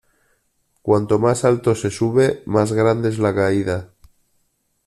Cuanto más alto se sube más grande es la caída.